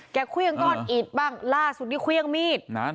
แกเครื่องก้อนอีกบ้างล่าสุดที่เครื่องมีดนั่น